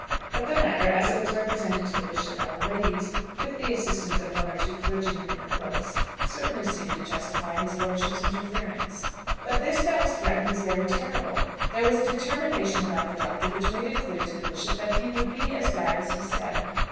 But the matter, as it was represented to the Bishop by the ladies, with the assistance of one or two clergymen in the Close, certainly seemed to justify his lordship's interference. But this that was threatened was very terrible. There was a determination about the Doctor which made it clear to the Bishop that he would be as bad as he said.